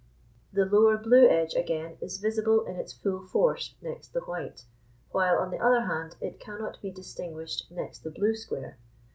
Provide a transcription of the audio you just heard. The lower blue edge, again, is visible in its full force next the white, while, on the other hand, it cannot be distinguished next the blue square.